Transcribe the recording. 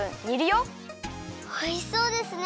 おいしそうですね！